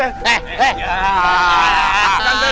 bukan pak rata